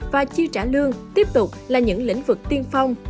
và chi trả lương tiếp tục là những lĩnh vực tiên phong